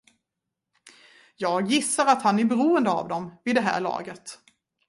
Jag gissar att han är beroende av dem, vid det här laget.